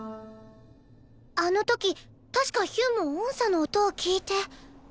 あの時確かヒュンも音叉の音を聴いて。